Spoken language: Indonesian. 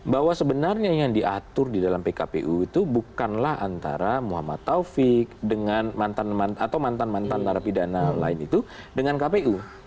bahwa sebenarnya yang diatur di dalam pkpu itu bukanlah antara muhammad taufik dengan mantan mantan narapidana lain itu dengan kpu